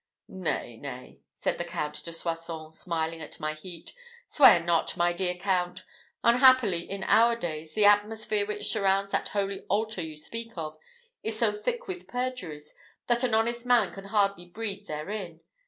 "Nay, nay," said the Count de Soissons, smiling at my heat, "swear not, my dear count! Unhappily, in our days, the atmosphere which surrounds that holy altar you speak of, is so thick with perjuries, that an honest man can hardly breathe therein.